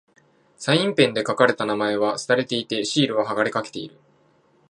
サインペンで書かれた名前は掠れていて、シールは剥がれかけている。